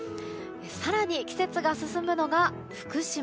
更に季節が進むのが福島。